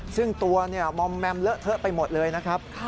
ซึ่งตัวเนี่ยมอมแมมเลอะเทอะไปหมดเลยนะครับ